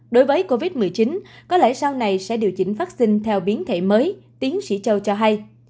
đối với covid một mươi chín có lẽ sau này sẽ điều chỉnh phát sinh theo biến thể mới tiến sĩ châu cho hay